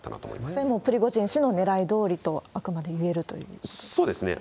それもプリゴジン氏のねらいどおりと、あくまでいえるというそうですね。